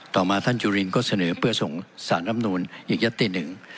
ต่อมาท่านจุลินก็เสนอเพื่อส่งสารรำนูนอีกยัตติหนึ่ง